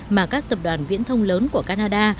mà các tập đoàn viễn thông lớn của canada